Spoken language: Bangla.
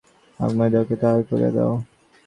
এখন আমরা যে যাহা ছিলাম আমাদিগকে তাহাই করিয়া দাও।